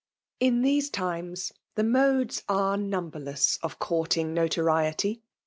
In these times^ the modes are nnmberless of eenrtng notoriety.